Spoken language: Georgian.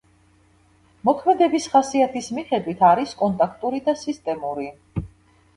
მოქმედების ხასიათის მიხედვით არის კონტაქტური და სისტემური.